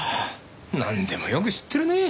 なんでもよく知ってるね。